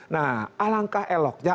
nah alangkah eloknya